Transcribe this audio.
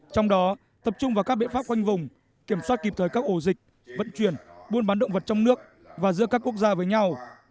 trong đó tập trung vào các biện pháp khoanh vùng kiểm soát kịp thời các ổ dịch vận chuyển buôn bán động vật trong nước và giữa các quốc gia với nhau